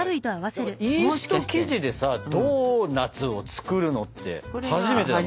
イースト生地でさドーナツを作るのって初めてだね。